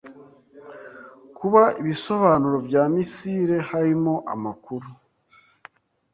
Kuba ibisobanuro bya Misiri; Harimo amakuru